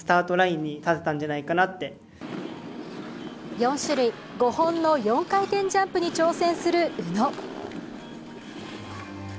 ４種類、５本の４回転ジャンプに挑戦する宇野。